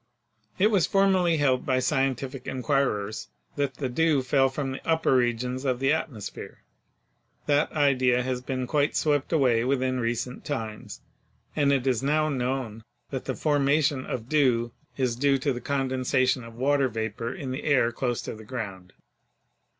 It was formerly held by scientific inquirers that the dew fell from the upper regions of the atmosphere. That idea has been quite swept away within recent times, and it is now known that the formation of dew is due to the condensation of water vapor in the air close to the ground.